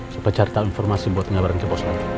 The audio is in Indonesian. sampai cari tahu informasi buat ngabarin ke pos nanti